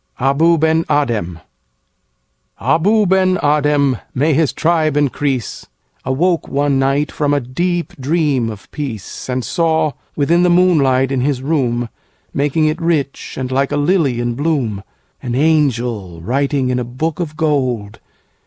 Abou Ben Adhem ABOU BEN ADHEM (may his tribe increase!)Awoke one night from a deep dream of peace, And saw—within the moonlight in his room, Making it rich and like a lily in bloom—An angel, writing in a book of gold.